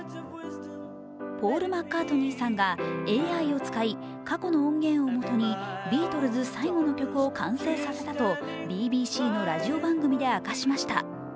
ポール・マッカートニーさんがＡＩを使い、過去の音源をもとにビートルズ最後の曲を完成させたとＢＢＣのラジオ番組で明かしました。